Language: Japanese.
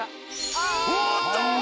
おっと！